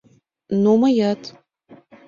Ну, мыят.